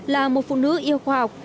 là một phụ nữ yêu khoa học